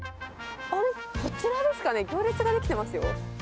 こちらですかね、行列が出来てますよ。